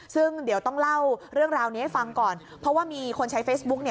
ซึ่งเดี๋ยวต้องเล่าเรื่องราวนี้ให้ฟังก่อนเพราะว่ามีคนใช้เฟซบุ๊ก